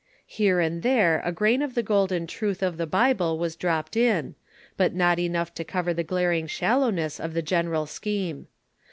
Here and there a grain of the golden truth of the Bible was dropped in, but not enough to cover the glaring shallowness of the general scheme.